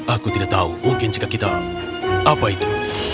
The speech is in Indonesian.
aku tidak tahu mungkin jika kita apa itu